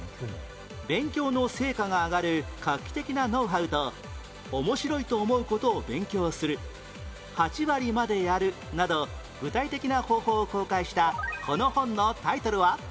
勉強の成果が上がる画期的なノウハウと「面白いと思うことを勉強する」「８割までやる」など具体的な方法を公開したこの本のタイトルは？